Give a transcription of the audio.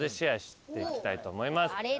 あれ？